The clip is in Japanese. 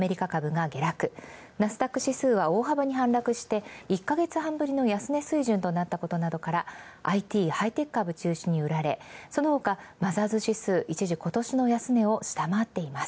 ナスダック指数は大幅に反落して１ヶ月半ぶりの安値水準となったことからＩＴハイテク株中心に売られ、そのほかマザーズ指数、一時今年の安値を下回っています。